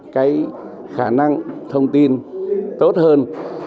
cái khả năng thông tin tốt hơn